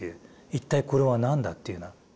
一体これは何だっていうような。